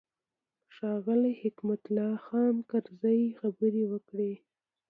ښاغلي حکمت الله خان کرزي خبرې وکړې.